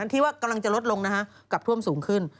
ที่ว่ากำลังจะลดลงกับท่วมสูงขึ้น